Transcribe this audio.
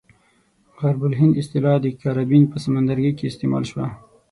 غرب الهند اصطلاح د کاربین په سمندرګي کې استعمال شوه.